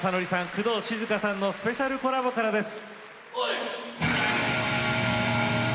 工藤静香さんのスペシャルコラボからです。